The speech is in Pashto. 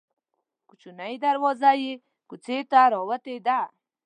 کوچنۍ دروازه یې کوڅې ته راوتې ده.